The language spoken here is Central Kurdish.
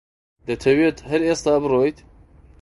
دەتەوێت هەر ئێستا بڕۆیت؟